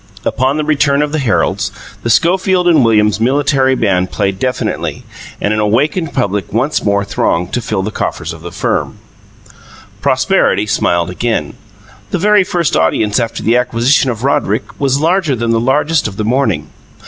Upon the return of the heralds, the Schofield and Williams Military Band played deafeningly, and an awakened public once more thronged to fill the coffers of the firm. Prosperity smiled again. The very first audience after the acquisition of Roderick was larger than the largest of the morning.